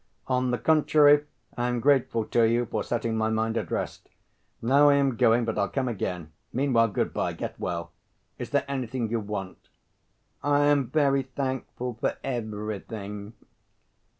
On the contrary, I am grateful to you for setting my mind at rest. Now I am going, but I'll come again. Meanwhile, good‐by. Get well. Is there anything you want?" "I am very thankful for everything.